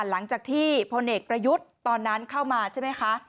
หลังจากที่พลเอกประยุทธ์ตอนนั้นเข้ามาใช่ไหมคะ